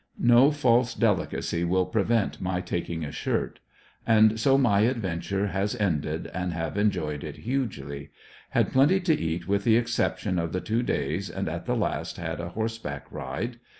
No false deli cy will prevent my taking a shirt. And so my adventure has ended and have enjoyed it hugely. Had plenty to eat with the exception of the two days, and at the last had a horseback ride.